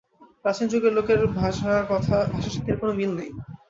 প্রাচীন যুগের লোকের ভাষার সাথে এর কোন মিল নেই।